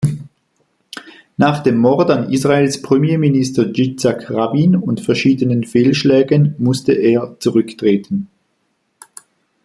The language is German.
Nach dem Mord an Israels Premierminister Jitzchak Rabin und verschiedenen Fehlschlägen musste er zurücktreten.